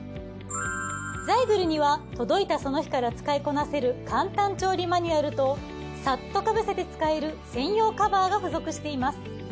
ザイグルには届いたその日から使いこなせる簡単調理マニュアルとサッとかぶせて使える専用カバーが付属しています。